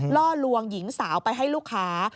ล่อลวงหญิงสาวไปให้ลูกค้า